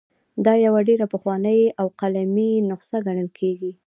دا یوه ډېره پخوانۍ او قلمي نسخه ګڼل کیږي.